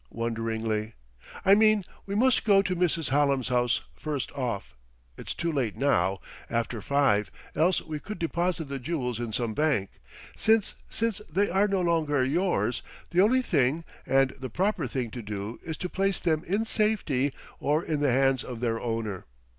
wonderingly. "I mean we must go to Mrs. Hallam's house, first off.... It's too late now, after five, else we could deposit the jewels in some bank. Since since they are no longer yours, the only thing, and the proper thing to do is to place them in safety or in the hands of their owner.